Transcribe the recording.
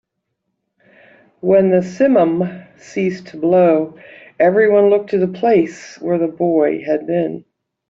When the simum ceased to blow, everyone looked to the place where the boy had been.